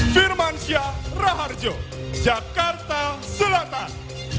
firmansyah ra harjo jakarta selatan